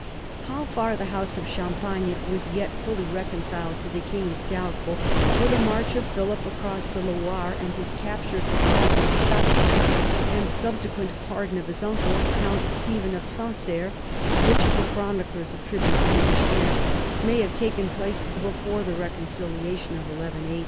How far the house of Champagne was yet fully reconciled to the king is doubtful, for the march of Philip across the Loire and his capture of the castle of Chatillon, and subsequent pardon of his uncle, Count Stephen of Sancerre, which the chroniclers attribute to this year, may have taken place before the reconciliation in 1180.